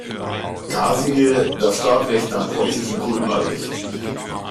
Kasimir das Stadtrecht nach preußischem Kulmer Recht.